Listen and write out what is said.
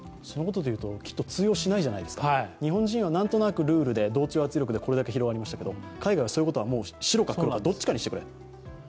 きっと通用しないじゃないですか日本人はなんとなくルールで同調圧力でこれだけ広がりましたけど海外はそういうことは、白か黒かどっちかにしてくれ。